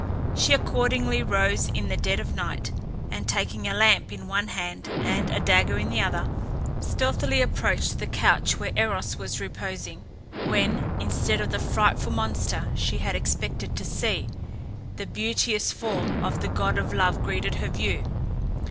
She accordingly rose in the dead of night, and taking a lamp in one hand and a dagger in the other, stealthily approached the couch where Eros was reposing, when, instead of the frightful monster she had expected to see, the beauteous form of the god of Love greeted her view.